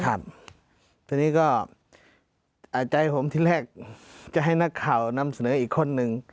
ทีนี้ก็ใจผมที่แรกจะให้นักข่าวนำเสนออีกคนนึง